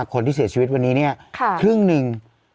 คนที่เสียชีวิตวันนี้เนี่ยครึ่งหนึ่ง